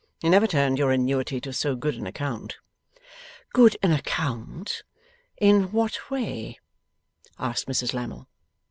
You never turned your annuity to so good an account.' 'Good an account! In what way?' asked Mrs Lammle.